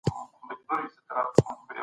باور ولرئ چي کولای سئ.